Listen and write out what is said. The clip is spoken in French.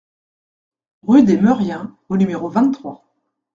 Rue des Meriens au numéro vingt-trois